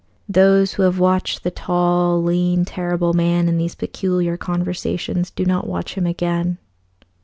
Those who have watched the tall, lean, Terrible Old Man in these peculiar conversations, do not watch him again.